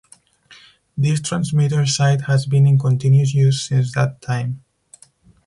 This transmitter site has been in continuous use since that time.